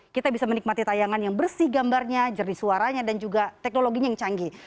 kita bisa menikmati tayangan yang bersih gambarnya jernih suaranya dan juga teknologinya yang canggih